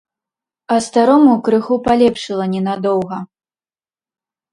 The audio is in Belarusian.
А старому крыху палепшала не надоўга.